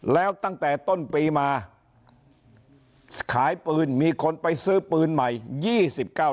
แล้วตั้งแต่ต้นปีมาขายปืนมีคนไปซื้อปืนใหม่๒๙